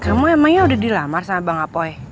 kamu emangnya udah dilamar sama bang apoy